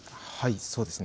そうです。